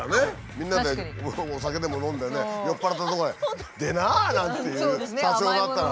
みんなでお酒でも飲んでね酔っぱらったとこで「でな！」なんて言う社長だったら。